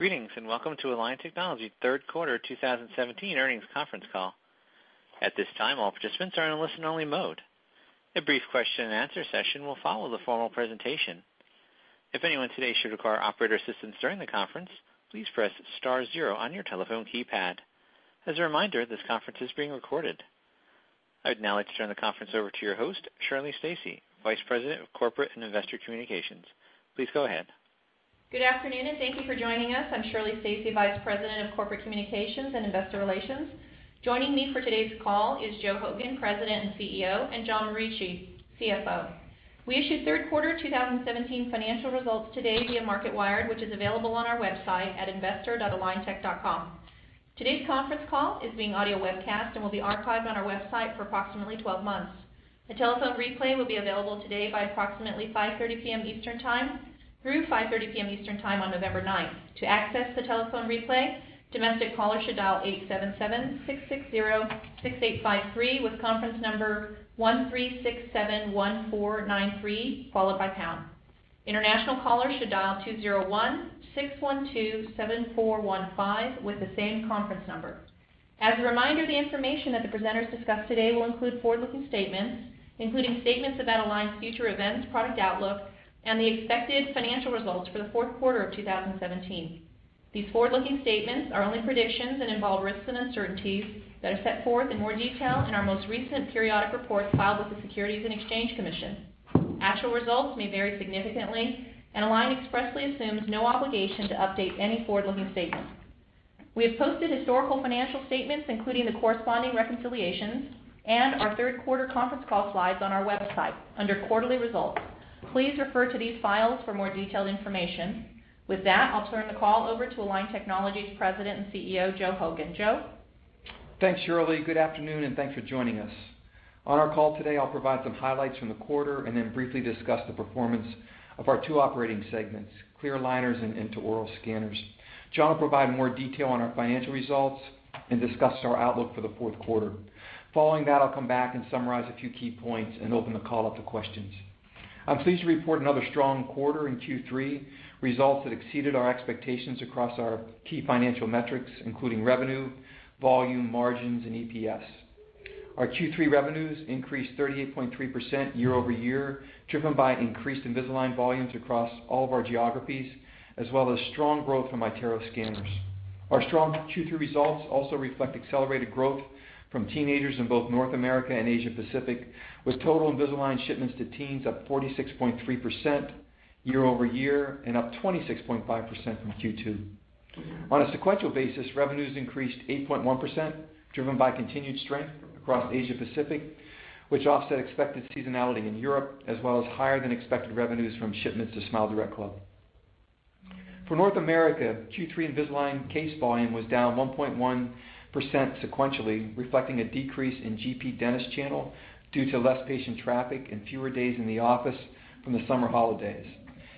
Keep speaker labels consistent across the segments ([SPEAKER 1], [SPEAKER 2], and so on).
[SPEAKER 1] Greetings, and welcome to Align Technology third quarter 2017 earnings conference call. At this time, all participants are in a listen-only mode. A brief question and answer session will follow the formal presentation. If anyone today should require operator assistance during the conference, please press star zero on your telephone keypad. As a reminder, this conference is being recorded. I'd now like to turn the conference over to your host, Shirley Stacy, Vice President of Corporate and Investor Communications. Please go ahead.
[SPEAKER 2] Good afternoon, and thank you for joining us. I'm Shirley Stacy, Vice President of Corporate Communications and Investor Relations. Joining me for today's call is Joe Hogan, President and CEO, and John Morici, CFO. We issued third quarter 2017 financial results today via Marketwired, which is available on our website at investor.aligntech.com. Today's conference call is being audio webcast and will be archived on our website for approximately 12 months. The telephone replay will be available today by approximately 5:30 P.M. Eastern Time through 5:30 P.M. Eastern Time on November ninth. To access the telephone replay, domestic callers should dial 877-660-6853 with conference number 13671493, followed by pound. International callers should dial 201-612-7415 with the same conference number. As a reminder, the information that the presenters discuss today will include forward-looking statements, including statements about Align's future events, product outlook, and the expected financial results for the fourth quarter of 2017. These forward-looking statements are only predictions and involve risks and uncertainties that are set forth in more detail in our most recent periodic reports filed with the Securities and Exchange Commission. Actual results may vary significantly, and Align expressly assumes no obligation to update any forward-looking statements. We have posted historical financial statements, including the corresponding reconciliations and our third quarter conference call slides on our website under quarterly results. Please refer to these files for more detailed information. With that, I'll turn the call over to Align Technology's President and CEO, Joe Hogan. Joe?
[SPEAKER 3] Thanks, Shirley. Good afternoon, and thanks for joining us. On our call today, I'll provide some highlights from the quarter and then briefly discuss the performance of our two operating segments, clear aligners and intraoral scanners. John will provide more detail on our financial results and discuss our outlook for the fourth quarter. Following that, I'll come back and summarize a few key points and open the call up to questions. I'm pleased to report another strong quarter in Q3, results that exceeded our expectations across our key financial metrics, including revenue, volume, margins, and EPS. Our Q3 revenues increased 38.3% year-over-year, driven by increased Invisalign volumes across all of our geographies, as well as strong growth from iTero scanners. Our strong Q3 results also reflect accelerated growth from teenagers in both North America and Asia-Pacific, with total Invisalign shipments to teens up 46.3% year-over-year and up 26.5% from Q2. On a sequential basis, revenues increased 8.1%, driven by continued strength across Asia-Pacific, which offset expected seasonality in Europe, as well as higher than expected revenues from shipments to SmileDirectClub. For North America, Q3 Invisalign case volume was down 1.1% sequentially, reflecting a decrease in GP dentist channel due to less patient traffic and fewer days in the office from the summer holidays.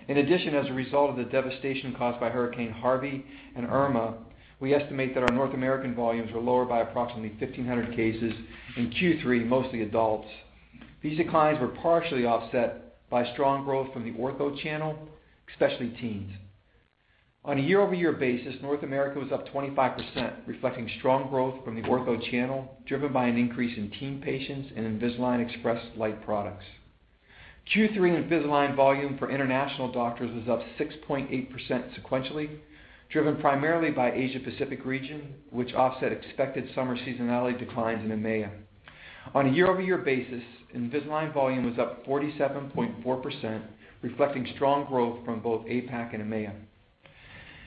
[SPEAKER 3] In addition, as a result of the devastation caused by Hurricane Harvey and Irma, we estimate that our North American volumes were lower by approximately 1,500 cases in Q3, mostly adults. These declines were partially offset by strong growth from the ortho channel, especially teens. On a year-over-year basis, North America was up 25%, reflecting strong growth from the ortho channel, driven by an increase in teen patients and Invisalign Express Lite products. Q3 Invisalign volume for international doctors was up 6.8% sequentially, driven primarily by Asia-Pacific region, which offset expected summer seasonality declines in EMEA. On a year-over-year basis, Invisalign volume was up 47.4%, reflecting strong growth from both APAC and EMEA.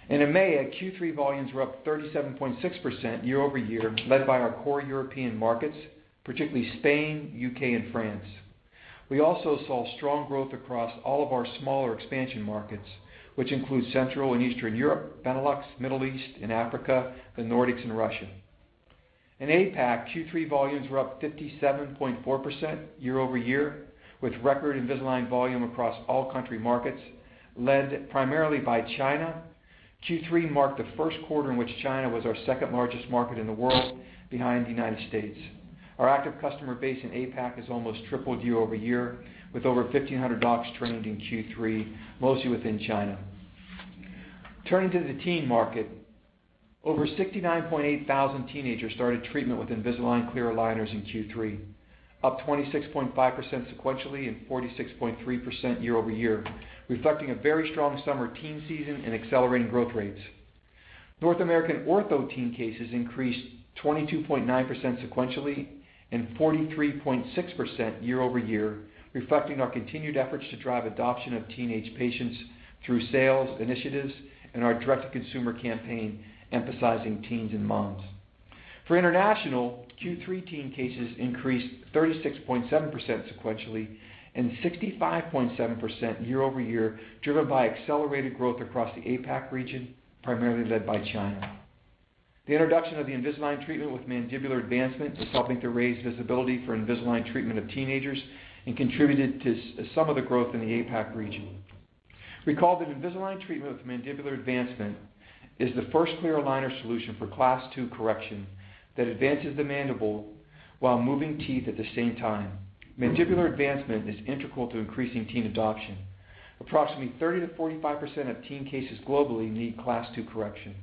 [SPEAKER 3] In EMEA, Q3 volumes were up 37.6% year-over-year, led by our core European markets, particularly Spain, U.K., and France. We also saw strong growth across all of our smaller expansion markets, which include Central and Eastern Europe, Benelux, Middle East and Africa, the Nordics, and Russia. In APAC, Q3 volumes were up 57.4% year-over-year, with record Invisalign volume across all country markets, led primarily by China. Q3 marked the first quarter in which China was our second-largest market in the world behind the U.S. Our active customer base in APAC has almost tripled year-over-year, with over 1,500 docs trained in Q3, mostly within China. Turning to the teen market, over 69.8 thousand teenagers started treatment with Invisalign clear aligners in Q3, up 26.5% sequentially and 46.3% year-over-year, reflecting a very strong summer teen season and accelerating growth rates. North American ortho teen cases increased 22.9% sequentially and 43.6% year-over-year, reflecting our continued efforts to drive adoption of teenage patients through sales initiatives and our direct-to-consumer campaign emphasizing teens and moms. For international, Q3 teen cases increased 36.7% sequentially and 65.7% year-over-year, driven by accelerated growth across the APAC region, primarily led by China. The introduction of the Invisalign treatment with mandibular advancement is helping to raise visibility for Invisalign treatment of teenagers and contributed to some of the growth in the APAC region. Recall that Invisalign treatment with mandibular advancement is the first clear aligner solution for Class II correction that advances the mandible while moving teeth at the same time. Mandibular advancement is integral to increasing teen adoption. Approximately 30%-45% of teen cases globally need Class II correction.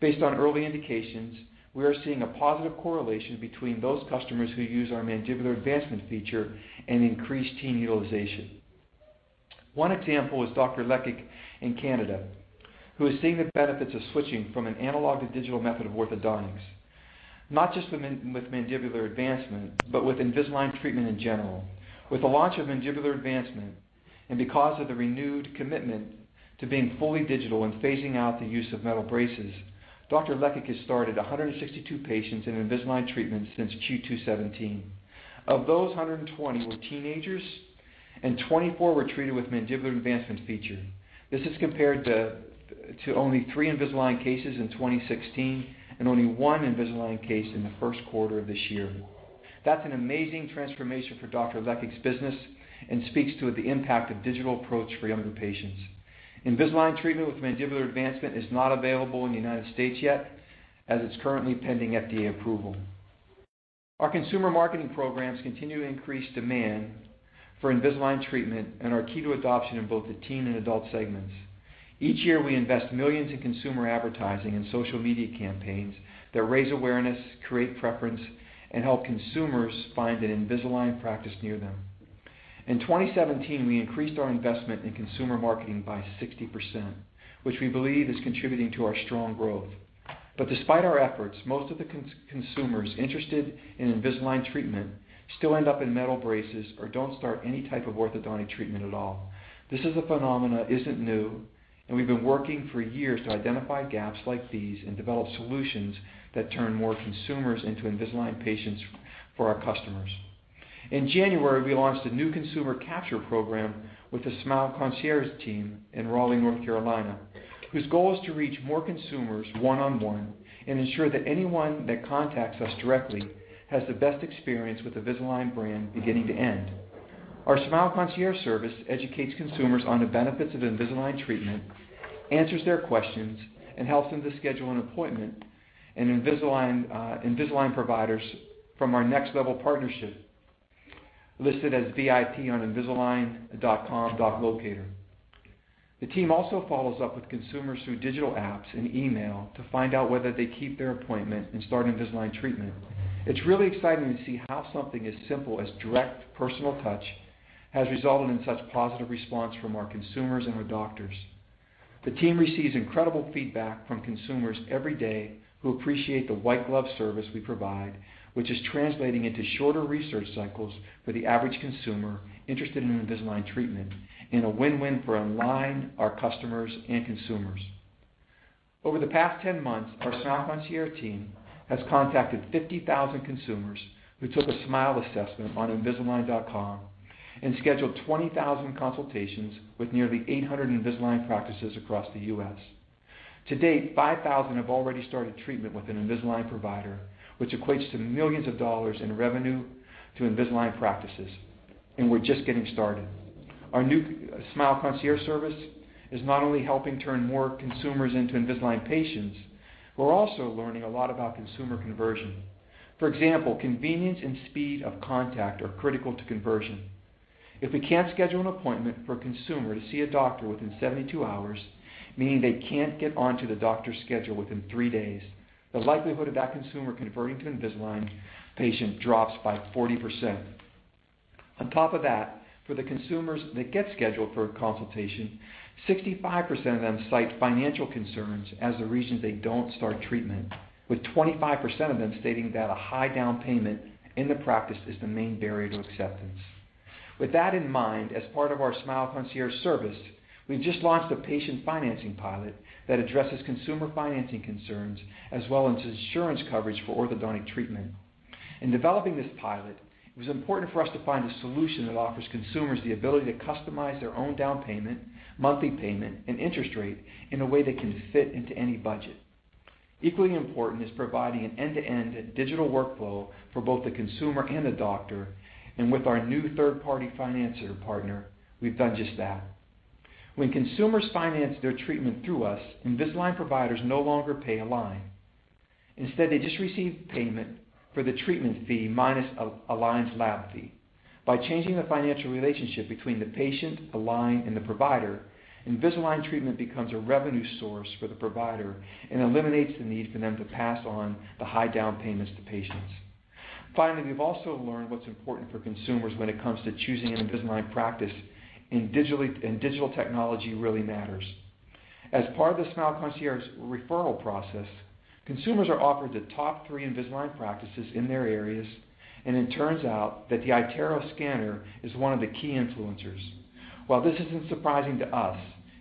[SPEAKER 3] Based on early indications, we are seeing a positive correlation between those customers who use our mandibular advancement feature and increased teen utilization. One example is Dr. Lekic in Canada, who is seeing the benefits of switching from an analog to digital method of orthodontics, not just with mandibular advancement, but with Invisalign treatment in general. With the launch of mandibular advancement, because of the renewed commitment to being fully digital and phasing out the use of metal braces, Dr. Lekic has started 162 patients in Invisalign treatment since Q2 '17. Of those, 120 were teenagers and 24 were treated with mandibular advancement feature. This is compared to only three Invisalign cases in 2016 and only one Invisalign case in the first quarter of this year. That's an amazing transformation for Dr. Lekic's business and speaks to the impact of digital approach for younger patients. Invisalign treatment with mandibular advancement is not available in the U.S. yet, as it's currently pending FDA approval. Our consumer marketing programs continue to increase demand for Invisalign treatment and are key to adoption in both the teen and adult segments. Each year, we invest $ millions in consumer advertising and social media campaigns that raise awareness, create preference, and help consumers find an Invisalign practice near them. In 2017, we increased our investment in consumer marketing by 60%, which we believe is contributing to our strong growth. Despite our efforts, most of the consumers interested in Invisalign treatment still end up in metal braces or don't start any type of orthodontic treatment at all. This as a phenomena isn't new, we've been working for years to identify gaps like these and develop solutions that turn more consumers into Invisalign patients for our customers. In January, we launched a new consumer capture program with the Smile Concierge team in Raleigh, North Carolina, whose goal is to reach more consumers one-on-one and ensure that anyone that contacts us directly has the best experience with Invisalign brand beginning to end. Our Smile Concierge service educates consumers on the benefits of Invisalign treatment, answers their questions, helps them to schedule an appointment, and Invisalign providers from our next level partnership listed as VIP on invisalign.com.locator. The team also follows up with consumers through digital apps and email to find out whether they keep their appointment and start Invisalign treatment. It's really exciting to see how something as simple as direct personal touch has resulted in such positive response from our consumers and our doctors. The team receives incredible feedback from consumers every day who appreciate the white glove service we provide, which is translating into shorter research cycles for the average consumer interested in Invisalign treatment in a win-win for Align, our customers, and consumers. Over the past 10 months, our Smile Concierge team has contacted 50,000 consumers who took a smile assessment on invisalign.com and scheduled 20,000 consultations with nearly 800 Invisalign practices across the U.S. To date, 5,000 have already started treatment with an Invisalign provider, which equates to $ millions in revenue to Invisalign practices, we're just getting started. Our new Smile Concierge service is not only helping turn more consumers into Invisalign patients, we're also learning a lot about consumer conversion. For example, convenience and speed of contact are critical to conversion. If we can't schedule an appointment for a consumer to see a doctor within 72 hours, meaning they can't get onto the doctor's schedule within three days, the likelihood of that consumer converting to Invisalign patient drops by 40%. On top of that, for the consumers that get scheduled for a consultation, 65% of them cite financial concerns as the reason they don't start treatment, with 25% of them stating that a high down payment in the practice is the main barrier to acceptance. With that in mind, as part of our Smile Concierge service, we've just launched a patient financing pilot that addresses consumer financing concerns, as well as insurance coverage for orthodontic treatment. In developing this pilot, it was important for us to find a solution that offers consumers the ability to customize their own down payment, monthly payment, and interest rate in a way that can fit into any budget. Equally important is providing an end-to-end digital workflow for both the consumer and the doctor, and with our new third-party financer partner, we've done just that. When consumers finance their treatment through us, Invisalign providers no longer pay Align. Instead, they just receive payment for the treatment fee minus Align's lab fee. By changing the financial relationship between the patient, Align, and the provider, Invisalign treatment becomes a revenue source for the provider and eliminates the need for them to pass on the high down payments to patients. Finally, we've also learned what's important for consumers when it comes to choosing an Invisalign practice, and digital technology really matters. As part of the Smile Concierge referral process, consumers are offered the top three Invisalign practices in their areas, and it turns out that the iTero scanner is one of the key influencers. While this isn't surprising to us,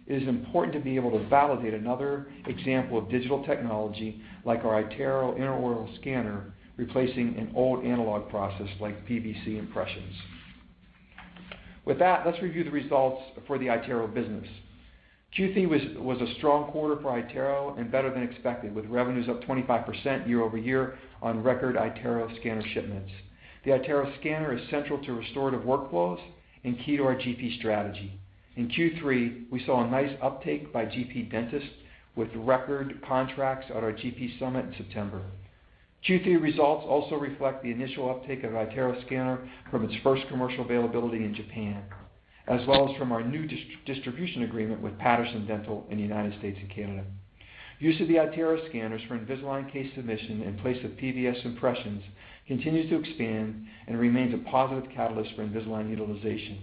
[SPEAKER 3] it is important to be able to validate another example of digital technology like our iTero intraoral scanner replacing an old analog process like PVS impressions. With that, let's review the results for the iTero business. Q3 was a strong quarter for iTero and better than expected, with revenues up 25% year-over-year on record iTero scanner shipments. The iTero scanner is central to restorative workflows and key to our GP strategy. In Q3, we saw a nice uptake by GP dentists with record contracts at our GP summit in September. Q3 results also reflect the initial uptake of iTero scanner from its first commercial availability in Japan, as well as from our new distribution agreement with Patterson Dental in the U.S. and Canada. Use of the iTero scanners for Invisalign case submission in place of PVS impressions continues to expand and remains a positive catalyst for Invisalign utilization.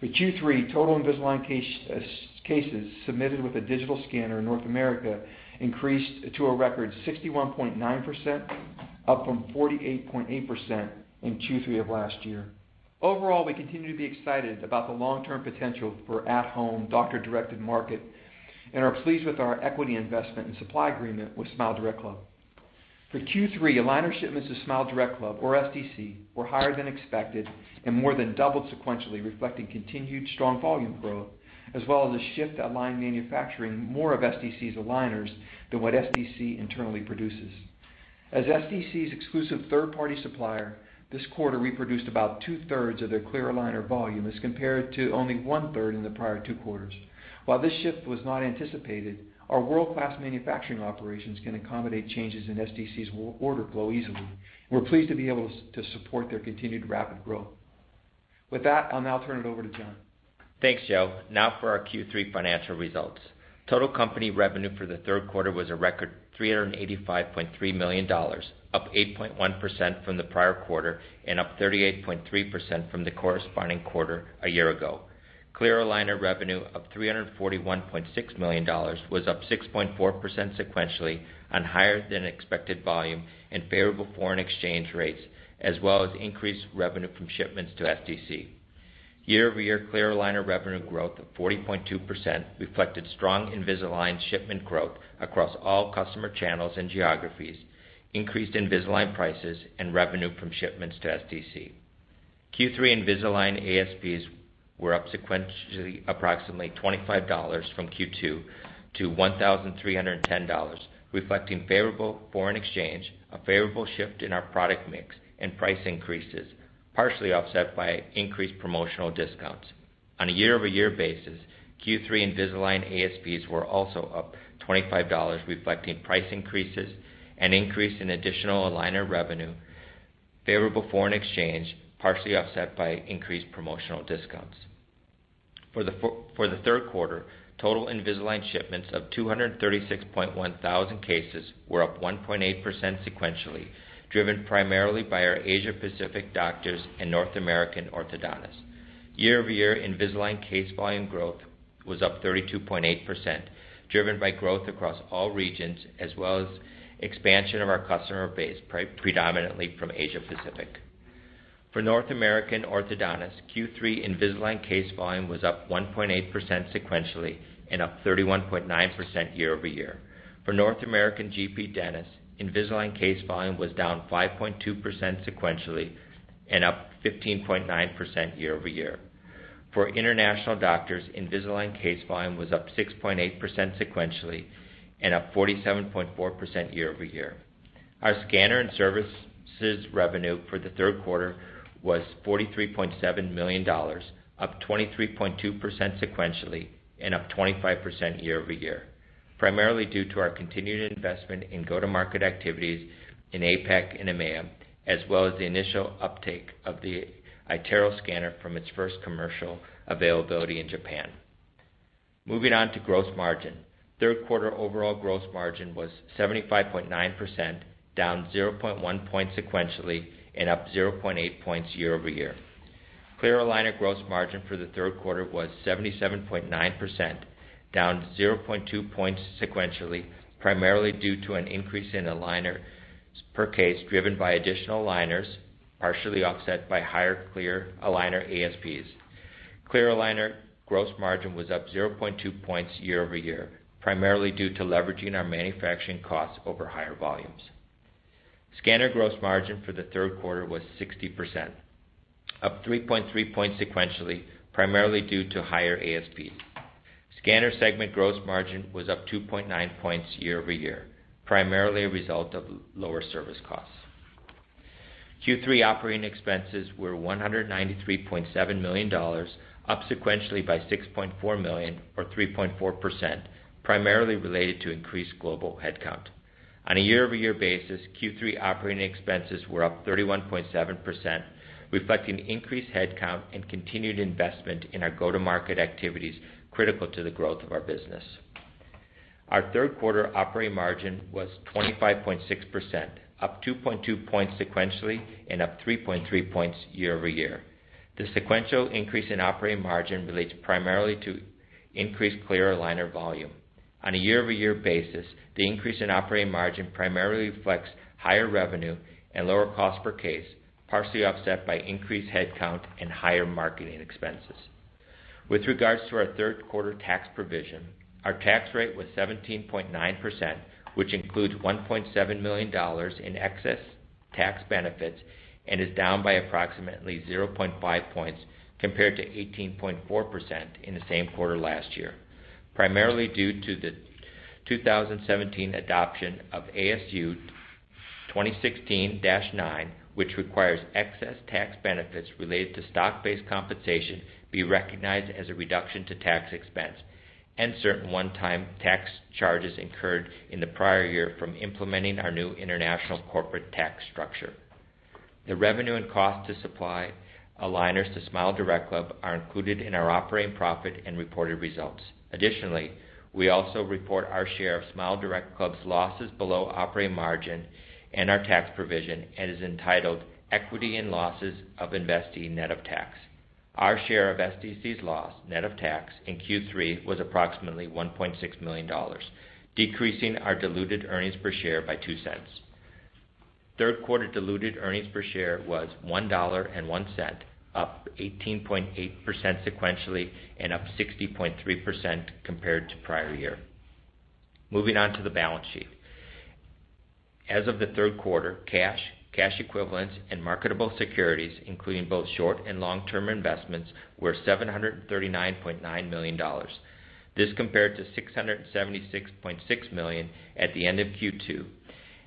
[SPEAKER 3] For Q3, total Invisalign cases submitted with a digital scanner in North America increased to a record 61.9%, up from 48.8% in Q3 of last year. Overall, we continue to be excited about the long-term potential for at-home doctor-directed market and are pleased with our equity investment and supply agreement with SmileDirectClub. For Q3, aligner shipments to SmileDirectClub, or SDC, were higher than expected and more than doubled sequentially, reflecting continued strong volume growth as well as a shift to Align manufacturing more of SDC's aligners than what SDC internally produces. As SDC's exclusive third-party supplier, this quarter we produced about two-thirds of their clear aligner volume as compared to only one-third in the prior two quarters. While this shift was not anticipated, our world-class manufacturing operations can accommodate changes in SDC's order flow easily. We're pleased to be able to support their continued rapid growth. With that, I'll now turn it over to John.
[SPEAKER 4] Thanks, Joe. Now for our Q3 financial results. Total company revenue for the third quarter was a record $385.3 million, up 8.1% from the prior quarter and up 38.3% from the corresponding quarter a year ago. Clear aligner revenue of $341.6 million was up 6.4% sequentially on higher than expected volume and favorable foreign exchange rates, as well as increased revenue from shipments to SDC. Year-over-year clear aligner revenue growth of 40.2% reflected strong Invisalign shipment growth across all customer channels and geographies, increased Invisalign prices, and revenue from shipments to SDC. Q3 Invisalign ASPs were up sequentially approximately $25 from Q2 to $1,310, reflecting favorable foreign exchange, a favorable shift in our product mix, and price increases, partially offset by increased promotional discounts. On a year-over-year basis, Q3 Invisalign ASPs were also up $25, reflecting price increases, an increase in additional aligner revenue, favorable foreign exchange, partially offset by increased promotional discounts. For the third quarter, total Invisalign shipments of 236.1 thousand cases were up 1.8% sequentially, driven primarily by our Asia Pacific doctors and North American orthodontists. Year-over-year Invisalign case volume growth was up 32.8%, driven by growth across all regions as well as expansion of our customer base, predominantly from Asia Pacific. For North American orthodontists, Q3 Invisalign case volume was up 1.8% sequentially and up 31.9% year-over-year. For North American GP dentists, Invisalign case volume was down 5.2% sequentially and up 15.9% year-over-year. For international doctors, Invisalign case volume was up 6.8% sequentially and up 47.4% year-over-year. Our scanner and services revenue for the third quarter was $43.7 million, up 23.2% sequentially and up 25% year-over-year, primarily due to our continued investment in go-to-market activities in APAC and EMEA, as well as the initial uptake of the iTero scanner from its first commercial availability in Japan. Moving on to gross margin. Third quarter overall gross margin was 75.9%, down 0.1 point sequentially and up 0.8 points year-over-year. Clear aligner gross margin for the third quarter was 77.9%, down 0.2 points sequentially, primarily due to an increase in aligners per case, driven by additional aligners, partially offset by higher clear aligner ASPs. Clear aligner gross margin was up 0.2 points year-over-year, primarily due to leveraging our manufacturing costs over higher volumes. Scanner gross margin for the third quarter was 60%, up 3.3 points sequentially, primarily due to higher ASPs. Scanner segment gross margin was up 2.9 points year-over-year, primarily a result of lower service costs. Q3 operating expenses were $193.7 million, up sequentially by $6.4 million or 3.4%, primarily related to increased global headcount. On a year-over-year basis, Q3 operating expenses were up 31.7%, reflecting increased headcount and continued investment in our go-to-market activities critical to the growth of our business. Our third quarter operating margin was 25.6%, up 2.2 points sequentially and up 3.3 points year-over-year. The sequential increase in operating margin relates primarily to increased clear aligner volume. On a year-over-year basis, the increase in operating margin primarily reflects higher revenue and lower cost per case, partially offset by increased headcount and higher marketing expenses. With regards to our third quarter tax provision, our tax rate was 17.9%, which includes $1.7 million in excess tax benefits and is down by approximately 0.5 points compared to 18.4% in the same quarter last year. Primarily due to the 2017 adoption of ASU 2016-09, which requires excess tax benefits related to stock-based compensation be recognized as a reduction to tax expense and certain one-time tax charges incurred in the prior year from implementing our new international corporate tax structure. The revenue and cost to supply aligners to SmileDirectClub are included in our operating profit and reported results. Additionally, we also report our share of SmileDirectClub's losses below operating margin and our tax provision and is entitled Equity in Losses of Investee, Net of Tax. Our share of SDC's loss net of tax in Q3 was approximately $1.6 million, decreasing our diluted earnings per share by $0.02. Third quarter diluted earnings per share was $1.01, up 18.8% sequentially and up 60.3% compared to prior year. Moving on to the balance sheet. As of the third quarter, cash equivalents, and marketable securities, including both short and long-term investments, were $737.9 million. This compared to $676.6 million at the end of Q2,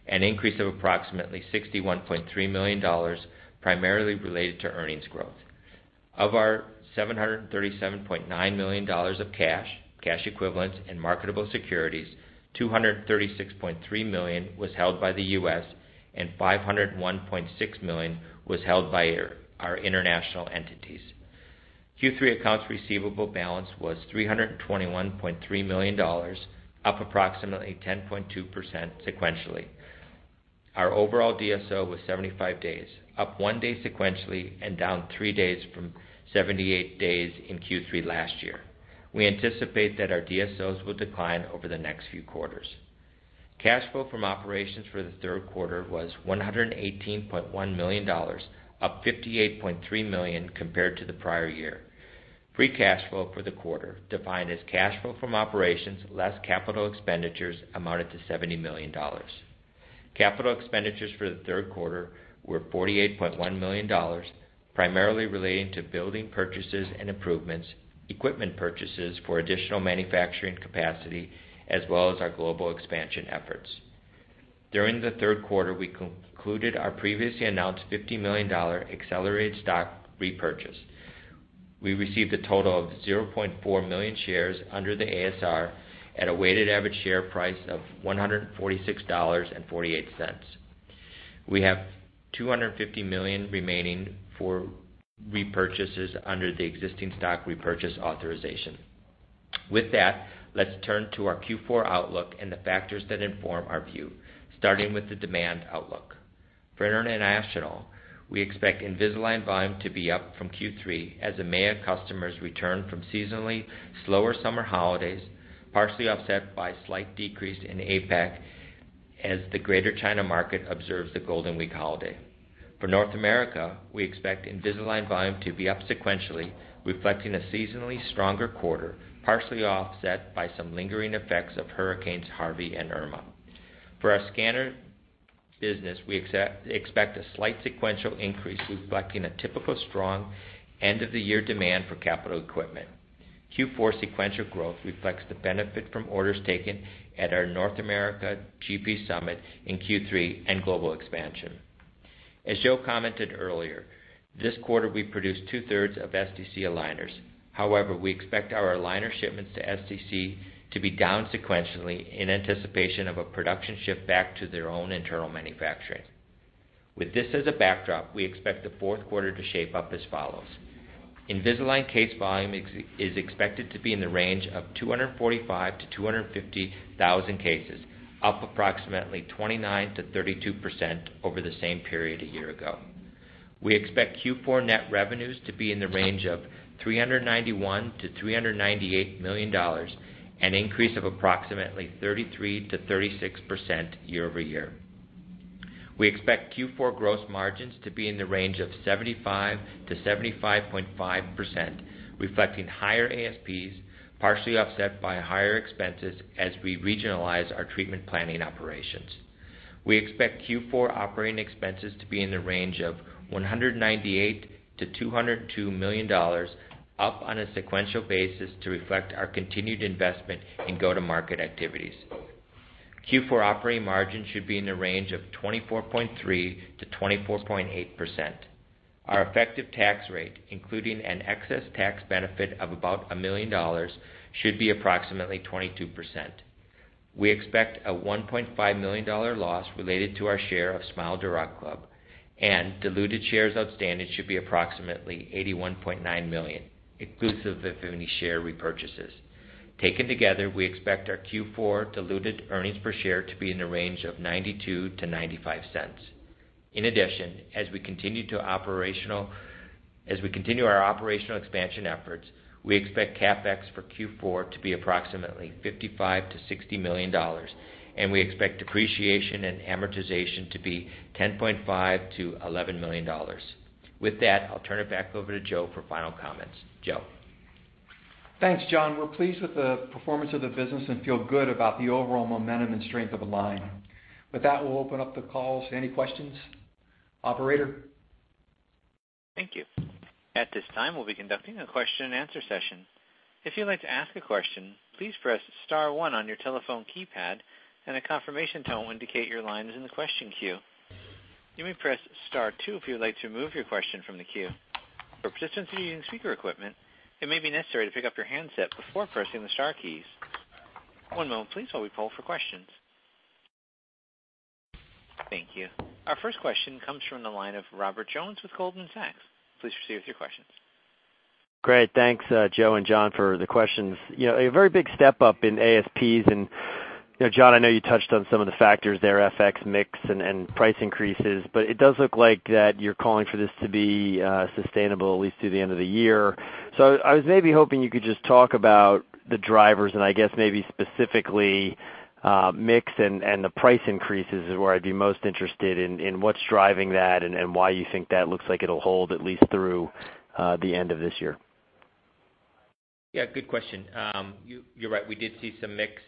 [SPEAKER 4] an increase of approximately $61.3 million primarily related to earnings growth. Of our $737.9 million of cash equivalents, and marketable securities, $236.3 million was held by the U.S., and $501.6 million was held by our international entities. Q3 accounts receivable balance was $321.3 million, up approximately 10.2% sequentially. Our overall DSO was 75 days, up one day sequentially and down three days from 78 days in Q3 last year. We anticipate that our DSOs will decline over the next few quarters. Cash flow from operations for the third quarter was $118.1 million, up $58.3 million compared to the prior year. Free cash flow for the quarter, defined as cash flow from operations less Capital Expenditures, amounted to $70 million. Capital Expenditures for the third quarter were $48.1 million, primarily relating to building purchases and improvements, equipment purchases for additional manufacturing capacity, as well as our global expansion efforts. During the third quarter, we concluded our previously announced $50 million accelerated stock repurchase. We received a total of 0.4 million shares under the ASR at a weighted average share price of $146.48. We have $250 million remaining for repurchases under the existing stock repurchase authorization. With that, let's turn to our Q4 outlook and the factors that inform our view, starting with the demand outlook. For international, we expect Invisalign volume to be up from Q3 as EMEA customers return from seasonally slower summer holidays, partially offset by a slight decrease in APAC as the Greater China market observes the Golden Week holiday. For North America, we expect Invisalign volume to be up sequentially, reflecting a seasonally stronger quarter, partially offset by some lingering effects of hurricanes Harvey and Irma. For our scanner business, we expect a slight sequential increase reflecting a typical strong end-of-the-year demand for capital equipment. Q4 sequential growth reflects the benefit from orders taken at our North America GP summit in Q3 and global expansion. As Joe commented earlier, this quarter, we produced two-thirds of SDC aligners. However, we expect our aligner shipments to SDC to be down sequentially in anticipation of a production shift back to their own internal manufacturing. With this as a backdrop, we expect the fourth quarter to shape up as follows. Invisalign case volume is expected to be in the range of 245,000-250,000 cases, up approximately 29%-32% over the same period a year ago. We expect Q4 net revenues to be in the range of $391 million-$398 million, an increase of approximately 33%-36% year-over-year. We expect Q4 gross margins to be in the range of 75%-75.5%, reflecting higher ASPs, partially offset by higher expenses as we regionalize our treatment planning operations. We expect Q4 operating expenses to be in the range of $198 million-$202 million, up on a sequential basis to reflect our continued investment in go-to-market activities. Q4 operating margin should be in the range of 24.3%-24.8%. Our effective tax rate, including an excess tax benefit of about a million dollars, should be approximately 22%. We expect a $1.5 million loss related to our share of SmileDirectClub. Diluted shares outstanding should be approximately 81.9 million, exclusive of any share repurchases. Taken together, we expect our Q4 diluted earnings per share to be in the range of $0.92-$0.95. As we continue our operational expansion efforts, we expect CapEx for Q4 to be approximately $55 million-$60 million, and we expect depreciation and amortization to be $10.5 million-$11 million. With that, I'll turn it back over to Joe for final comments. Joe.
[SPEAKER 3] Thanks, John. We're pleased with the performance of the business and feel good about the overall momentum and strength of Align. With that, we'll open up the call to any questions. Operator?
[SPEAKER 1] Thank you. At this time, we'll be conducting a question-and-answer session. If you'd like to ask a question, please press *1 on your telephone keypad, and a confirmation tone will indicate your line is in the question queue. You may press *2 if you'd like to remove your question from the queue. For participants using speaker equipment, it may be necessary to pick up your handset before pressing the star keys. One moment please, while we poll for questions. Thank you. Our first question comes from the line of Robert Jones with Goldman Sachs. Please proceed with your questions.
[SPEAKER 5] Great. Thanks, Joe and John, for the questions. A very big step-up in ASPs. John, I know you touched on some of the factors there, FX mix and price increases. It does look like that you're calling for this to be sustainable at least through the end of the year. I was maybe hoping you could just talk about the drivers and I guess maybe specifically, mix and the price increases is where I'd be most interested in what's driving that and why you think that looks like it'll hold at least through the end of this year.
[SPEAKER 4] Yeah. Good question. You're right. We did see some mix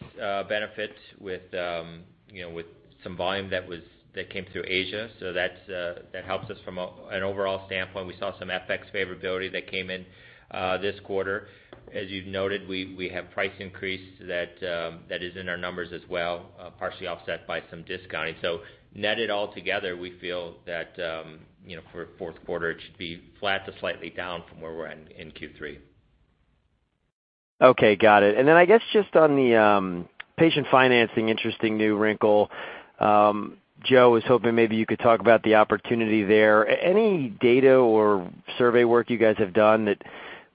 [SPEAKER 4] benefits with some volume that came through Asia. That helps us from an overall standpoint. We saw some FX favorability that came in this quarter. As you've noted, we have price increase that is in our numbers as well, partially offset by some discounting. Netted all together, we feel that, for fourth quarter, it should be flat to slightly down from where we're at in Q3.
[SPEAKER 5] Okay. Got it. I guess just on the patient financing, interesting new wrinkle. Joe was hoping maybe you could talk about the opportunity there. Any data or survey work you guys have done that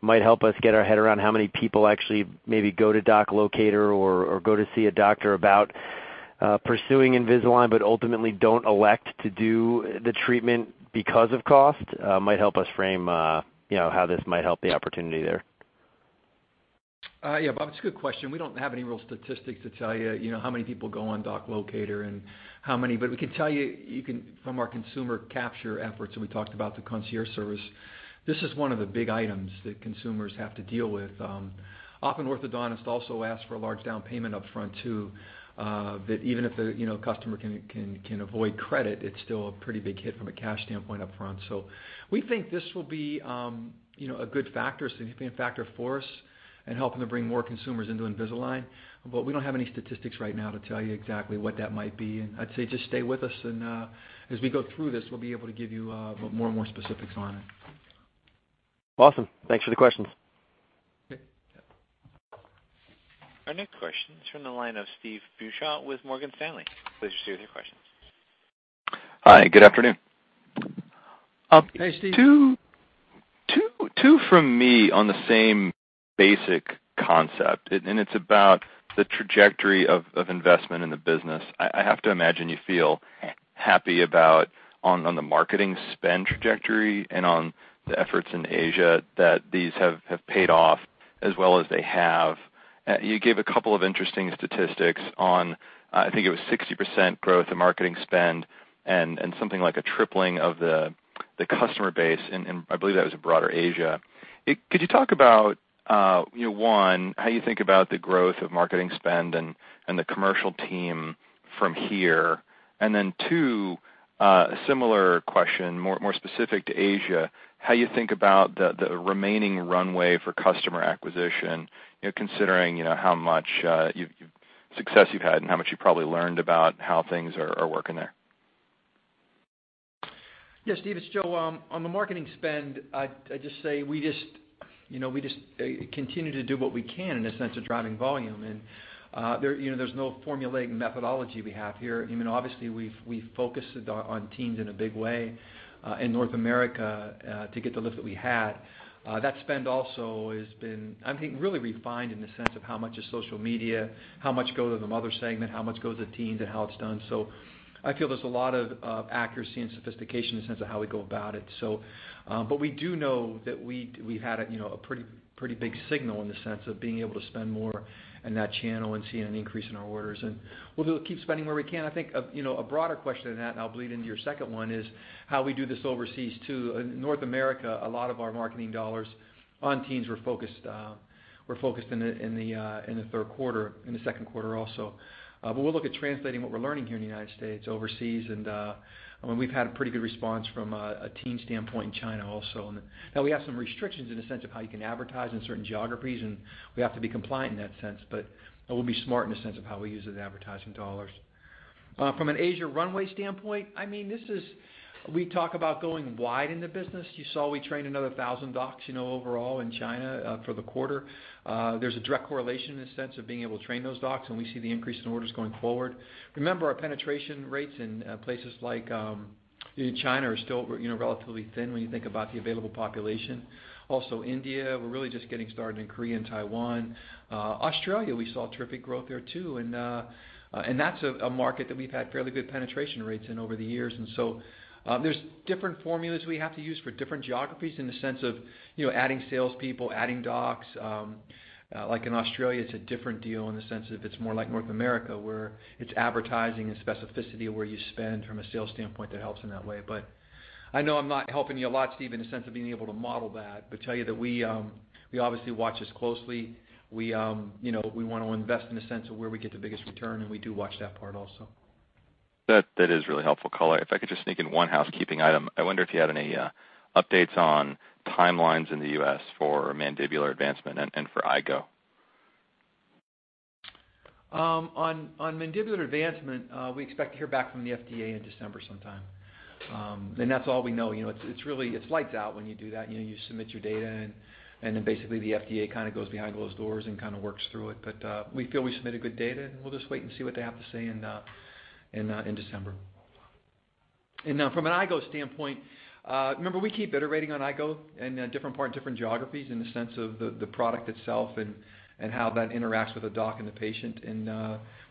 [SPEAKER 5] might help us get our head around how many people actually maybe go to Doctor Locator or go to see a doctor about pursuing Invisalign, ultimately don't elect to do the treatment because of cost? Might help us frame how this might help the opportunity there.
[SPEAKER 3] Bob, it's a good question. We don't have any real statistics to tell you how many people go on Doctor Locator and how many. We can tell you from our consumer capture efforts. We talked about the Smile Concierge service, this is one of the big items that consumers have to deal with. Often orthodontists also ask for a large down payment up front, too, that even if the customer can avoid credit, it's still a pretty big hit from a cash standpoint up front. We think this will be a good factor, a significant factor for us in helping to bring more consumers into Invisalign. We don't have any statistics right now to tell you exactly what that might be. I'd say just stay with us. As we go through this, we'll be able to give you more and more specifics on it.
[SPEAKER 5] Awesome. Thanks for the questions.
[SPEAKER 3] Okay.
[SPEAKER 1] Our next question is from the line of Steve Beuchaw with Morgan Stanley. Please proceed with your questions.
[SPEAKER 6] Hi, good afternoon.
[SPEAKER 3] Hey, Steve.
[SPEAKER 6] Two from me on the same basic concept, and it's about the trajectory of investment in the business. I have to imagine you feel happy about on the marketing spend trajectory and on the efforts in Asia that these have paid off as well as they have. You gave a couple of interesting statistics on, I think it was 60% growth in marketing spend and something like a tripling of the customer base, and I believe that was broader Asia. Could you talk about, one, how you think about the growth of marketing spend and the commercial team from here, then two, a similar question, more specific to Asia, how you think about the remaining runway for customer acquisition, considering how much success you've had and how much you probably learned about how things are working there?
[SPEAKER 3] Yeah, Steve, it's Joe. On the marketing spend, I just say we just continue to do what we can in the sense of driving volume, and there's no formulaic methodology we have here. Obviously, we've focused on teens in a big way in North America to get the lift that we had. That spend also has been, I'm thinking, really refined in the sense of how much is social media, how much go to the mother segment, how much goes to teens, and how it's done. I feel there's a lot of accuracy and sophistication in the sense of how we go about it. We do know that we've had a pretty big signal in the sense of being able to spend more in that channel and seeing an increase in our orders, and we'll keep spending where we can. I think a broader question than that, and I'll bleed into your second one, is how we do this overseas, too. In North America, a lot of our marketing dollars on teens were focused in the third quarter, in the second quarter also. We'll look at translating what we're learning here in the United States overseas, and we've had a pretty good response from a teen standpoint in China also. Now, we have some restrictions in the sense of how you can advertise in certain geographies, and we have to be compliant in that sense, we'll be smart in the sense of how we use the advertising dollars. From an Asia runway standpoint, we talk about going wide in the business. You saw we trained another 1,000 docs overall in China for the quarter. There's a direct correlation in the sense of being able to train those docs and we see the increase in orders going forward. Remember, our penetration rates in places like China are still relatively thin when you think about the available population. Also India, we're really just getting started in Korea and Taiwan. Australia, we saw terrific growth there, too, and that's a market that we've had fairly good penetration rates in over the years. There's different formulas we have to use for different geographies in the sense of adding salespeople, adding docs. Like in Australia, it's a different deal in the sense of it's more like North America, where it's advertising and specificity of where you spend from a sales standpoint that helps in that way. I know I'm not helping you a lot, Steve, in the sense of being able to model that, but tell you that we obviously watch this closely. We want to invest in a sense of where we get the biggest return, and we do watch that part also.
[SPEAKER 6] That is really helpful, Joe. If I could just sneak in one housekeeping item. I wonder if you had any updates on timelines in the U.S. for mandibular advancement and for iGo?
[SPEAKER 3] On mandibular advancement, we expect to hear back from the FDA in December sometime. That's all we know. It's lights out when you do that, you submit your data, then basically the FDA kind of goes behind closed doors and kind of works through it. We feel we submitted good data, and we'll just wait and see what they have to say in December. From an iGo standpoint, remember we keep iterating on iGo in different parts, different geographies in the sense of the product itself and how that interacts with the doc and the patient.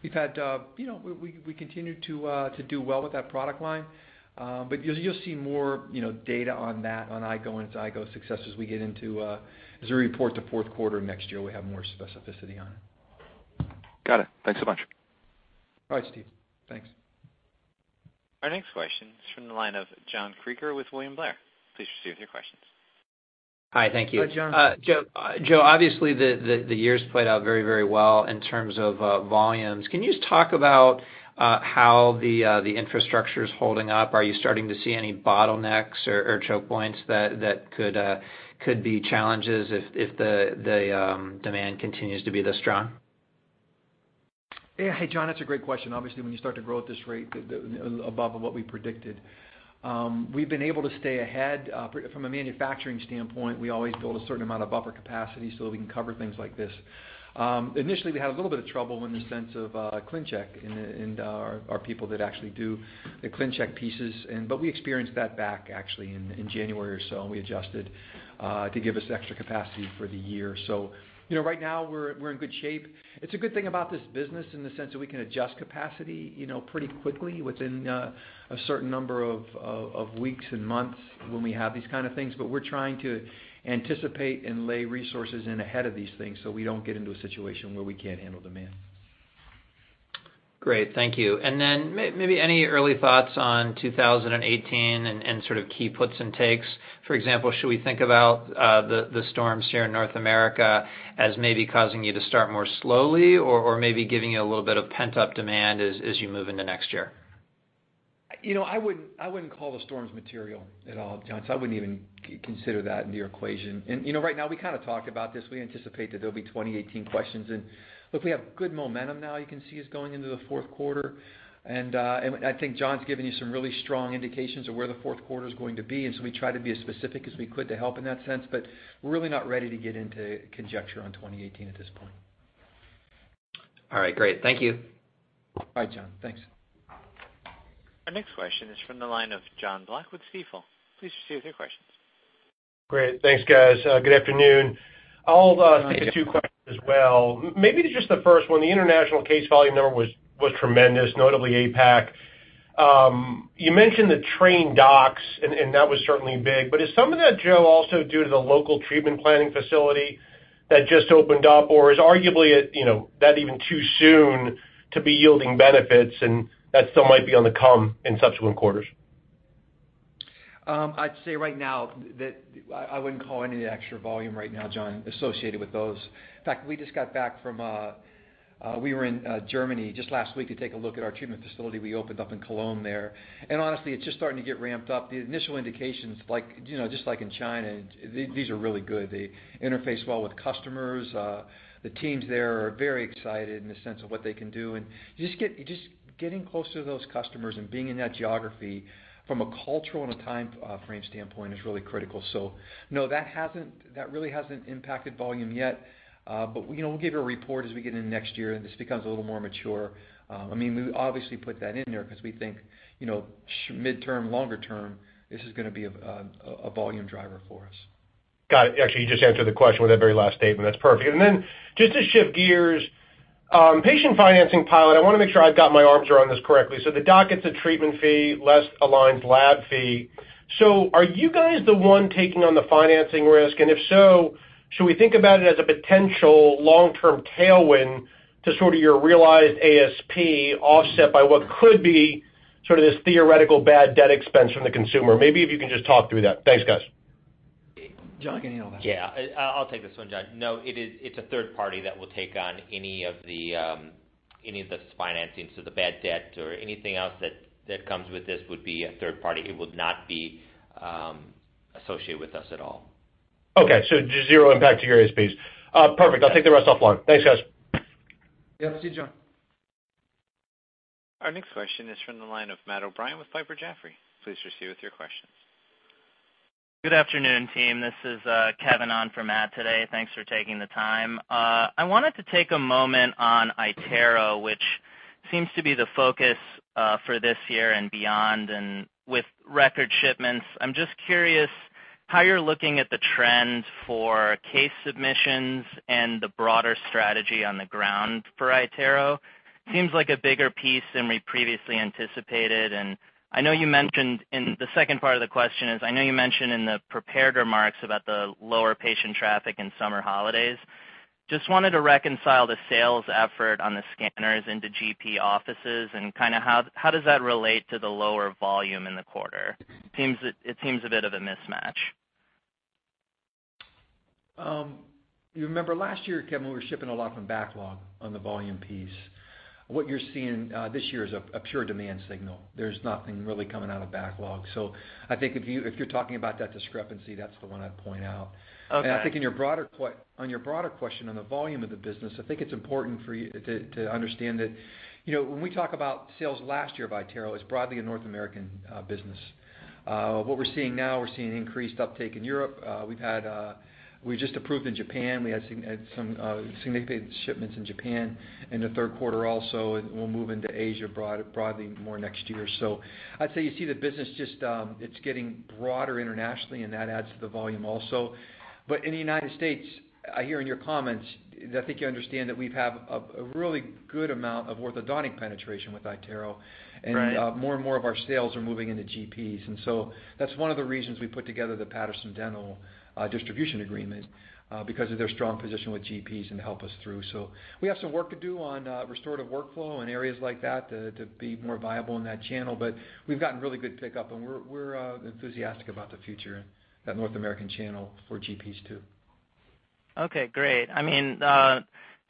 [SPEAKER 3] We continue to do well with that product line. You'll see more data on that, on iGo and iGo success as we get into, as we report the fourth quarter next year, we'll have more specificity on it.
[SPEAKER 6] Got it. Thanks a bunch.
[SPEAKER 3] All right, Steve. Thanks.
[SPEAKER 1] Our next question is from the line of John Krieger with William Blair. Please proceed with your questions.
[SPEAKER 7] Hi. Thank you.
[SPEAKER 3] Hi, John.
[SPEAKER 7] Joe, obviously the years played out very well in terms of volumes. Can you just talk about how the infrastructure's holding up? Are you starting to see any bottlenecks or choke points that could be challenges if the demand continues to be this strong?
[SPEAKER 3] Yeah. John, that's a great question. Obviously, when you start to grow at this rate, above what we predicted. We've been able to stay ahead. From a manufacturing standpoint, we always build a certain amount of buffer capacity so that we can cover things like this. Initially, we had a little bit of trouble in the sense of ClinCheck and our people that actually do the ClinCheck pieces, but we experienced that back actually in January or so, and we adjusted to give us extra capacity for the year. Right now, we're in good shape. It's a good thing about this business in the sense that we can adjust capacity pretty quickly within a certain number of weeks and months when we have these kind of things. We're trying to anticipate and lay resources in ahead of these things so we don't get into a situation where we can't handle demand.
[SPEAKER 7] Great. Thank you. Then maybe any early thoughts on 2018 and sort of key puts and takes. For example, should we think about the storms here in North America as maybe causing you to start more slowly or maybe giving you a little bit of pent-up demand as you move into next year?
[SPEAKER 3] I wouldn't call the storms material at all, John, I wouldn't even consider that in your equation. Right now, we kind of talk about this. We anticipate that there'll be 2018 questions and look, we have good momentum now, you can see us going into the fourth quarter, I think John's given you some really strong indications of where the fourth quarter's going to be, we try to be as specific as we could to help in that sense, we're really not ready to get into conjecture on 2018 at this point.
[SPEAKER 7] All right. Great. Thank you.
[SPEAKER 3] Bye, John. Thanks.
[SPEAKER 1] Our next question is from the line of Jonathan Block with Stifel. Please proceed with your questions.
[SPEAKER 8] Great. Thanks, guys. Good afternoon.
[SPEAKER 3] Hi, John.
[SPEAKER 8] I'll ask you two questions as well. Maybe just the first one, the international case volume number was tremendous, notably APAC. You mentioned the trained docs, and that was certainly big. Is some of that, Joe, also due to the local treatment planning facility that just opened up, or is arguably that even too soon to be yielding benefits and that still might be on the come in subsequent quarters?
[SPEAKER 3] I'd say right now that I wouldn't call any of the extra volume right now, John, associated with those. In fact, we just got back from, we were in Germany just last week to take a look at our treatment facility we opened up in Cologne there. Honestly, it's just starting to get ramped up. The initial indications, just like in China, these are really good. They interface well with customers. The teams there are very excited in the sense of what they can do. Just getting closer to those customers and being in that geography from a cultural and a timeframe standpoint is really critical. No, that really hasn't impacted volume yet. We'll give you a report as we get into next year and this becomes a little more mature. We obviously put that in there because we think midterm, longer term, this is going to be a volume driver for us.
[SPEAKER 8] Got it. Actually, you just answered the question with that very last statement. That's perfect. Then just to shift gears, patient financing pilot, I want to make sure I've got my arms around this correctly. The doc gets a treatment fee, less Align's lab fee. Are you guys the one taking on the financing risk? If so, should we think about it as a potential long-term tailwind to sort of your realized ASP offset by what could be sort of this theoretical bad debt expense from the consumer? Maybe if you can just talk through that. Thanks, guys.
[SPEAKER 3] John, can you handle that?
[SPEAKER 4] Yeah. I'll take this one, John. It's a third party that will take on any of the financing. The bad debt or anything else that comes with this would be a third party. It would not be associated with us at all.
[SPEAKER 8] Okay. Just zero impact to your ASPs. Perfect. I'll take the rest offline. Thanks, guys.
[SPEAKER 3] Yep. See you, John.
[SPEAKER 1] Our next question is from the line of Matthew O'Brien with Piper Jaffray. Please proceed with your questions.
[SPEAKER 9] Good afternoon, team. This is Kevin on for Matt today. Thanks for taking the time. I wanted to take a moment on iTero, which seems to be the focus for this year and beyond. With record shipments, I'm just curious how you're looking at the trend for case submissions and the broader strategy on the ground for iTero. Seems like a bigger piece than we previously anticipated. The second part of the question is, I know you mentioned in the prepared remarks about the lower patient traffic in summer holidays. Just wanted to reconcile the sales effort on the scanners into GP offices and kind of how does that relate to the lower volume in the quarter? It seems a bit of a mismatch.
[SPEAKER 3] You remember last year, Kevin, we were shipping a lot from backlog on the volume piece. What you're seeing this year is a pure demand signal. There's nothing really coming out of backlog. I think if you're talking about that discrepancy, that's the one I'd point out.
[SPEAKER 9] Okay.
[SPEAKER 3] I think on your broader question on the volume of the business, I think it's important to understand that when we talk about sales last year of iTero, it was broadly a North American business. What we're seeing now, we're seeing increased uptake in Europe. We've just approved in Japan, we had some significant shipments in Japan in the third quarter also, and we'll move into Asia broadly more next year. I'd say you see the business, just it's getting broader internationally, and that adds to the volume also. In the United States, I hear in your comments, I think you understand that we've had a really good amount of orthodontic penetration with iTero.
[SPEAKER 9] Right. More and more of our sales are moving into GPs. That's one of the reasons we put together the Patterson Dental distribution agreement, because of their strong position with GPs and help us through. We have some work to do on restorative workflow and areas like that to be more viable in that channel. We've gotten really good pickup, and we're enthusiastic about the future, that North American channel for GPs, too. Okay, great.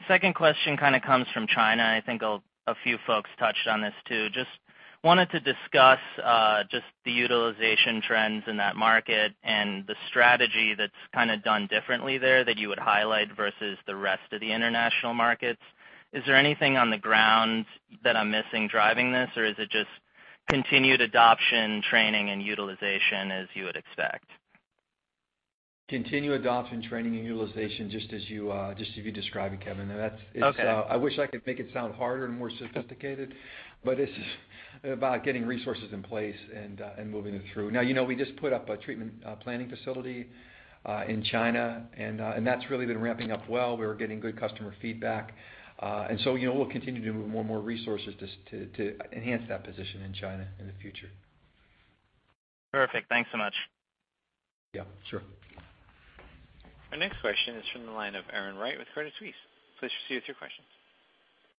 [SPEAKER 9] Second question comes from China. I think a few folks touched on this, too. Just wanted to discuss just the utilization trends in that market and the strategy that's done differently there that you would highlight versus the rest of the international markets. Is there anything on the ground that I'm missing driving this, or is it just continued adoption, training, and utilization as you would expect?
[SPEAKER 3] Continued adoption, training, and utilization, just as you described, Kevin.
[SPEAKER 9] Okay.
[SPEAKER 3] I wish I could make it sound harder and more sophisticated. It's about getting resources in place and moving it through. Now, we just put up a treatment planning facility in China, and that's really been ramping up well. We were getting good customer feedback. We'll continue to move more and more resources to enhance that position in China in the future.
[SPEAKER 9] Perfect. Thanks so much.
[SPEAKER 3] Yeah, sure.
[SPEAKER 1] Our next question is from the line of Erin Wright with Credit Suisse. Please proceed with your questions.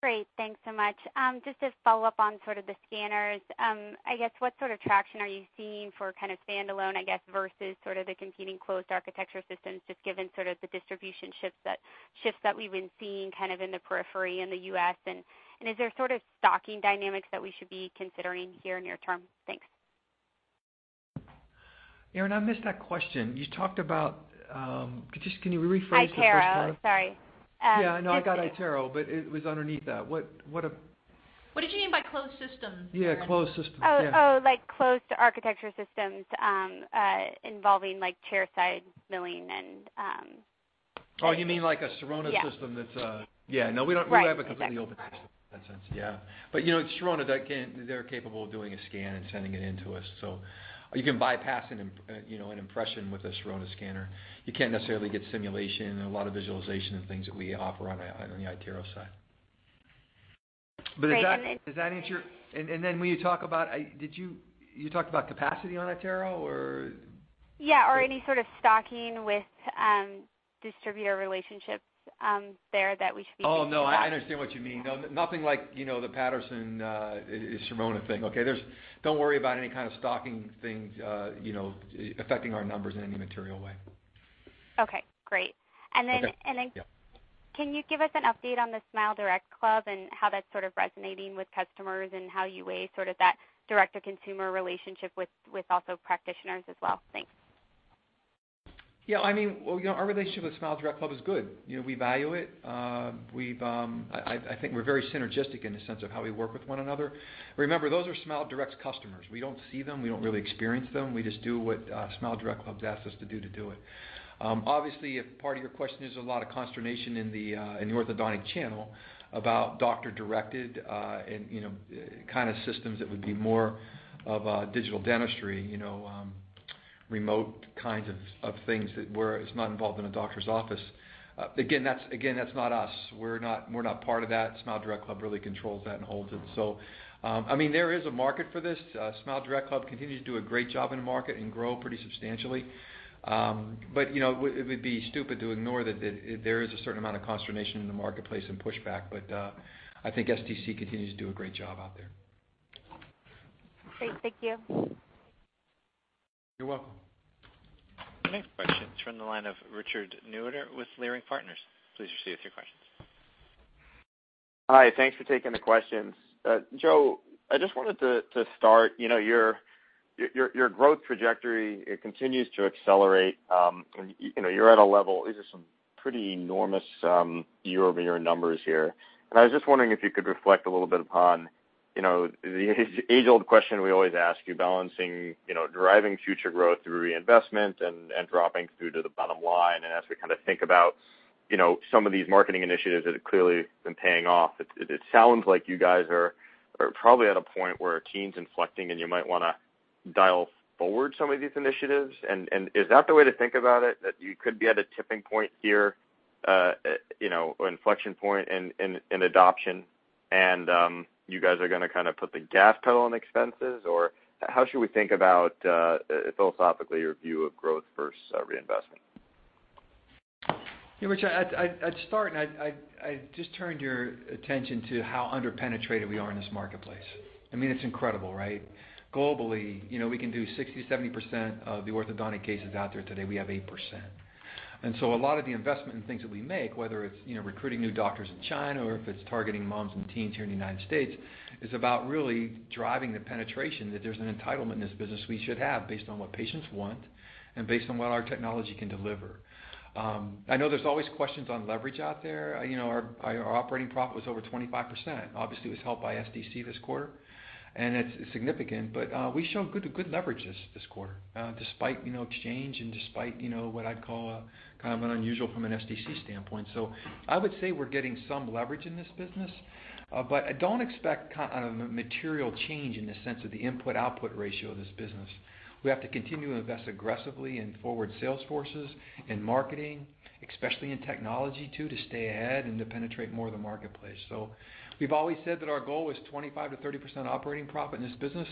[SPEAKER 10] Great. Thanks so much. Just to follow up on sort of the scanners. I guess, what sort of traction are you seeing for standalone, I guess, versus sort of the competing closed architecture systems, just given sort of the distribution shifts that we've been seeing kind of in the periphery in the U.S. Is there sort of stocking dynamics that we should be considering here near term? Thanks.
[SPEAKER 3] Erin, I missed that question. Could you rephrase the first part?
[SPEAKER 10] iTero, sorry.
[SPEAKER 3] Yeah, no, I got iTero, but it was underneath that.
[SPEAKER 10] What did you mean by closed systems?
[SPEAKER 3] Yeah, closed systems. Yeah.
[SPEAKER 10] Oh, like closed architecture systems, involving chairside milling and
[SPEAKER 3] Oh, you mean like a Sirona system that's
[SPEAKER 10] Yeah.
[SPEAKER 3] Yeah. No, we don't
[SPEAKER 10] Right.
[SPEAKER 3] We have a completely open system in that sense. Yeah. Sirona, they're capable of doing a scan and sending it in to us. You can bypass an impression with a Sirona scanner. You can't necessarily get simulation and a lot of visualization and things that we offer on the iTero side.
[SPEAKER 10] Great.
[SPEAKER 3] Did you talk about capacity on iTero, or
[SPEAKER 10] Yeah. Any sort of stocking with distributor relationships there that we should be?
[SPEAKER 3] Oh, no, I understand what you mean. No, nothing like the Patterson Sirona thing. Okay, don't worry about any kind of stocking things affecting our numbers in any material way.
[SPEAKER 10] Okay, great.
[SPEAKER 3] Okay.
[SPEAKER 10] Then.
[SPEAKER 3] Yeah.
[SPEAKER 10] Can you give us an update on the SmileDirectClub and how that's sort of resonating with customers and how you weigh sort of that direct-to-consumer relationship with also practitioners as well? Thanks.
[SPEAKER 3] Yeah. Our relationship with SmileDirectClub is good. We value it. I think we're very synergistic in the sense of how we work with one another. Remember, those are SmileDirect's customers. We don't see them. We don't really experience them. We just do what SmileDirectClub's asked us to do it. Obviously, if part of your question is a lot of consternation in the orthodontic channel about doctor-directed, and kind of systems that would be more of a digital dentistry, remote kinds of things where it's not involved in a doctor's office. Again, that's not us. We're not part of that. SmileDirectClub really controls that and holds it. There is a market for this. SmileDirectClub continues to do a great job in the market and grow pretty substantially. It would be stupid to ignore that there is a certain amount of consternation in the marketplace and pushback, I think SDC continues to do a great job out there.
[SPEAKER 10] Great. Thank you.
[SPEAKER 3] You're welcome.
[SPEAKER 1] The next question is from the line of Richard Newitter with Leerink Partners. Please proceed with your questions.
[SPEAKER 11] Hi. Thanks for taking the questions. Joe, I just wanted to start, your growth trajectory, it continues to accelerate. You're at a level, these are some pretty enormous year-over-year numbers here. I was just wondering if you could reflect a little bit upon the age-old question we always ask you, balancing driving future growth through reinvestment and dropping through to the bottom line. As we kind of think about some of these marketing initiatives that have clearly been paying off, it sounds like you guys are probably at a point where teens inflecting, and you might want to dial forward some of these initiatives. Is that the way to think about it, that you could be at a tipping point here, or inflection point in adoption, and you guys are going to kind of put the gas pedal on expenses? How should we think about, philosophically, your view of growth versus reinvestment?
[SPEAKER 3] Yeah, Richard, I'd start and I'd just turn your attention to how under-penetrated we are in this marketplace. It's incredible, right? Globally, we can do 60%-70% of the orthodontic cases out there today, we have 8%. A lot of the investment and things that we make, whether it's recruiting new doctors in China or if it's targeting moms and teens here in the United States, is about really driving the penetration, that there's an entitlement in this business we should have based on what patients want and based on what our technology can deliver. I know there's always questions on leverage out there. Our operating profit was over 25%, obviously was helped by SDC this quarter, and it's significant. We showed good leverage this quarter, despite exchange and despite what I'd call kind of unusual from an SDC standpoint. I would say we're getting some leverage in this business. I don't expect material change in the sense of the input-output ratio of this business. We have to continue to invest aggressively in forward sales forces, in marketing, especially in technology, too, to stay ahead and to penetrate more of the marketplace. We've always said that our goal was 25%-30% operating profit in this business.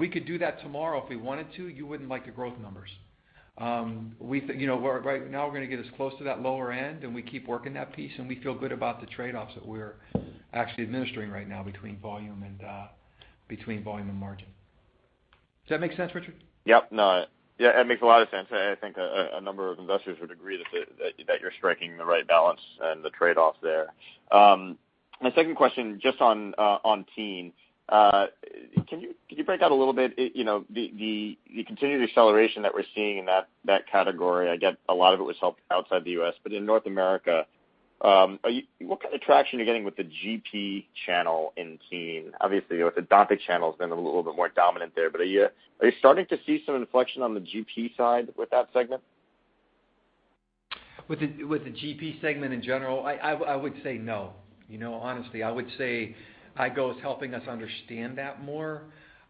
[SPEAKER 3] We could do that tomorrow if we wanted to, you wouldn't like the growth numbers. Right now, we're going to get as close to that lower end, and we keep working that piece, and we feel good about the trade-offs that we're actually administering right now between volume and margin. Does that make sense, Richard?
[SPEAKER 11] Yep. No, yeah, it makes a lot of sense. I think a number of investors would agree that you're striking the right balance and the trade-off there. My second question, just on teen, can you break out a little bit, the continued acceleration that we're seeing in that category, I get a lot of it was helped outside the U.S. In North America, what kind of traction are you getting with the GP channel in teen? Obviously, the orthodontic channel's been a little bit more dominant there, are you starting to see some inflection on the GP side with that segment?
[SPEAKER 3] With the GP segment in general, I would say no. Honestly, I would say Invisalign Go is helping us understand that more.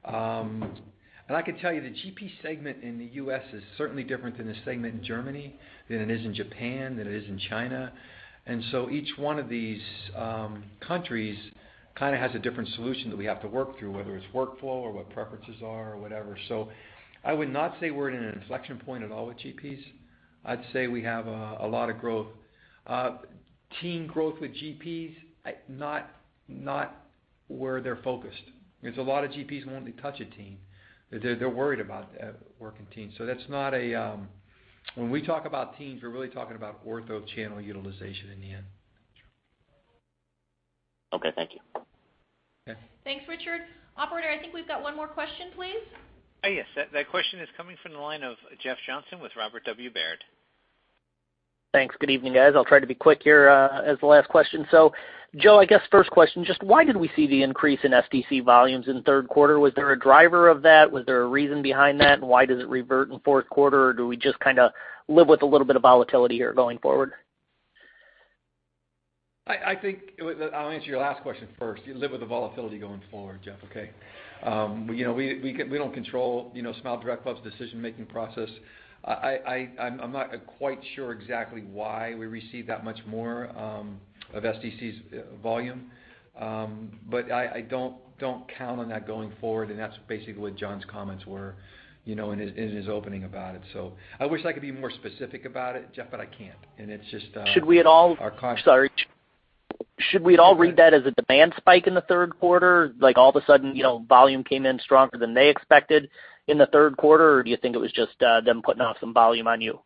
[SPEAKER 3] I could tell you the GP segment in the U.S. is certainly different than the segment in Germany, than it is in Japan, than it is in China. Each one of these countries kind of has a different solution that we have to work through, whether it's workflow or what preferences are or whatever. I would not say we're in an inflection point at all with GPs. I'd say we have a lot of growth. Teen growth with GPs, not where they're focused. There's a lot of GPs who won't touch a teen. They're worried about working teens. When we talk about teens, we're really talking about ortho channel utilization in the end.
[SPEAKER 11] Okay, thank you.
[SPEAKER 3] Yeah.
[SPEAKER 2] Thanks, Richard. Operator, I think we've got one more question, please.
[SPEAKER 1] Yes. That question is coming from the line of Jeff Johnson with Robert W. Baird.
[SPEAKER 12] Thanks. Good evening, guys. I'll try to be quick here as the last question. Joe, I guess first question, just why did we see the increase in SDC volumes in third quarter? Was there a driver of that? Was there a reason behind that? Why does it revert in fourth quarter, or do we just kind of live with a little bit of volatility here going forward?
[SPEAKER 3] I think I'll answer your last question first. You live with the volatility going forward, Jeff, okay? We don't control SmileDirectClub's decision-making process. I'm not quite sure exactly why we received that much more of SDC's volume. I don't count on that going forward, and that's basically what John's comments were in his opening about it. I wish I could be more specific about it, Jeff, but I can't.
[SPEAKER 12] Sorry.
[SPEAKER 3] Go ahead.
[SPEAKER 12] Should we at all read that as a demand spike in the third quarter? Like all of a sudden, volume came in stronger than they expected in the third quarter, or do you think it was just them putting off some volume on you?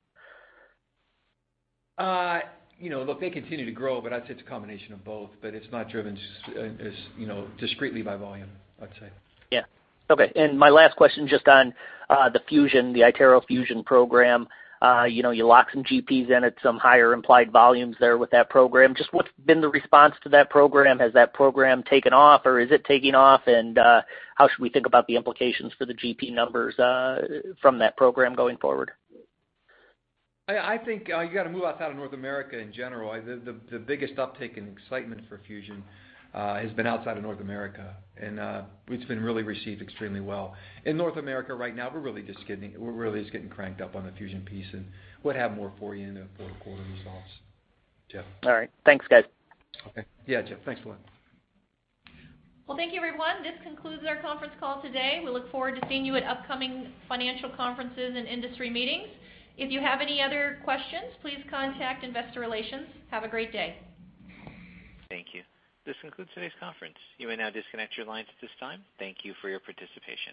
[SPEAKER 3] Look, they continue to grow, but I'd say it's a combination of both. It's not driven as discreetly by volume, I'd say.
[SPEAKER 12] Yeah. Okay, my last question, just on the iTero Fusion program. You lock some GPs in at some higher implied volumes there with that program. Just what's been the response to that program? Has that program taken off, or is it taking off? How should we think about the implications for the GP numbers from that program going forward?
[SPEAKER 3] I think you got to move outside of North America in general. The biggest uptick in excitement for Fusion has been outside of North America, and it's been really received extremely well. In North America right now, we're really just getting cranked up on the Fusion piece and would have more for you in the fourth quarter results, Jeff.
[SPEAKER 12] All right. Thanks, guys.
[SPEAKER 3] Okay. Yeah, Jeff, thanks a lot.
[SPEAKER 2] Well, thank you, everyone. This concludes our conference call today. We look forward to seeing you at upcoming financial conferences and industry meetings. If you have any other questions, please contact investor relations. Have a great day.
[SPEAKER 1] Thank you. This concludes today's conference. You may now disconnect your lines at this time. Thank you for your participation.